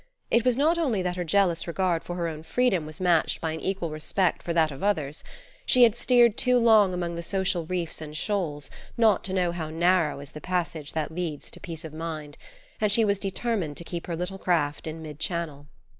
It was not only that her jealous regard for her own freedom was matched by an equal respect for that of others; she had steered too long among the social reefs and shoals not to know how narrow is the passage that leads to peace of mind, and she was determined to keep her little craft in mid channel.